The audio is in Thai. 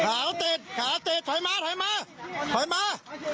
ติดขาติดถอยมาถอยมาถอยมา